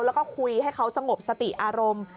แล้วก็คุยให้เขาสงบสติอารมณ์